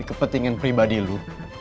demi kepentingan pribadi lu